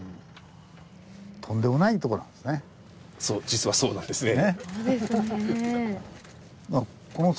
実はそうなんですね。